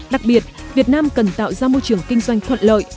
đặc biệt việt nam cần tạo ra môi trường kinh doanh thuận lợi